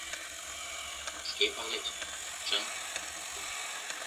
— Шке палет: чын.